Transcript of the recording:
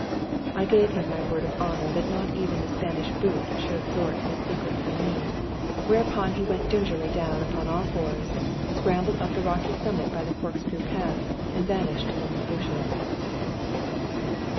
I gave him my word of honour that not even the Spanish boot should extort his secret from me, whereupon he went gingerly down upon all fours, scrambled up the rocky summit by the corkscrew path, and vanished among the bushes.